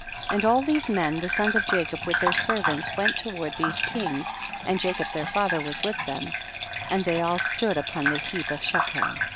13. And all these men the sons of' Jacob with their servants went to ward these kings, and Jacob their father was with them, and they all stood upon the heap of Shechem.